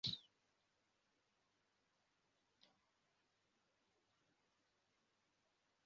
However, the extension of the canal was never realised.